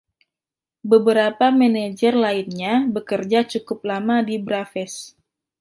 Beberapa manajer lainnya bekerja cukup lama di Braves.